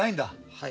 はい。